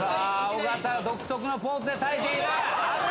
尾形独特なポーズで耐えている。